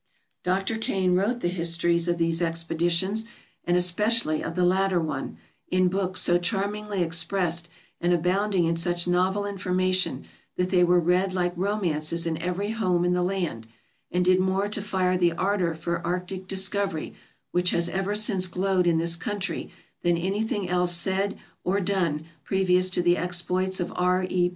Dr. Kane wrote the histories of these expeditions, and especially of the latter one, in books so charmingly expressed, and abounding in such novel information, that they were read like romances in every home in the land, and did more to fire the ardor for arctic discovery which has ever since glowed in this country than anything else said or done previous to the exploits of R. E.